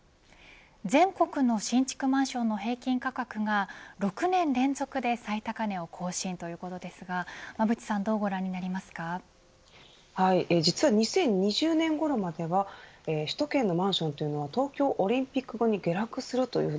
全国の新築マンションの平均価格が６年連続で最高値を更新ということですが馬渕さん実は２０２０年ごろまでは首都圏のマンションというのは東京オリンピック後に下落するというふうに